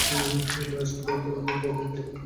The storm thrush তার প্রকাশিত প্রথম কবিতা ছিল।